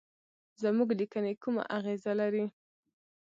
زموږ لیکني کومه اغیزه لري.